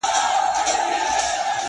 له آسمانه هاتف ږغ کړل چي احمقه٫